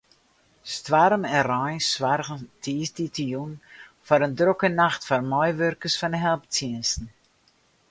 Stoarm en rein soargen tiisdeitejûn foar in drokke nacht foar meiwurkers fan de helptsjinsten.